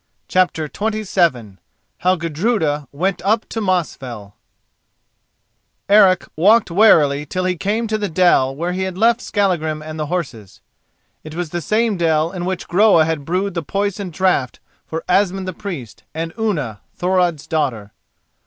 CHAPTER XXVII HOW GUDRUDA WENT UP TO MOSFELL Eric walked warily till he came to the dell where he had left Skallagrim and the horses. It was the same dell in which Groa had brewed the poison draught for Asmund the Priest and Unna, Thorod's daughter.